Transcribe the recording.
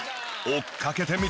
追っかけてみた！